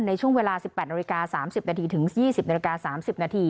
ในช่วงเวลา๑๘น๓๐นถึง๒๐น๓๐น